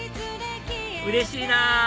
うれしいな！